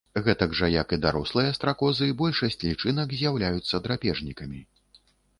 Гэтак жа, як і дарослыя стракозы, большасць лічынак з'яўляюцца драпежнікамі.